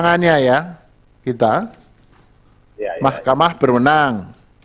pertanyaannya ya kita mahkamah berwenang